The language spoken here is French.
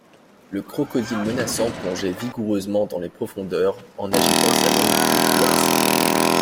Le crocodile menaçant plongeait vigoureusement dans les profondeurs en agitant sa longue queue cuirassée.